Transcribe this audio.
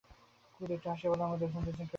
কুন্দ একটু হাসিয়া বলে, আমরা দুজনেই করছিলাম।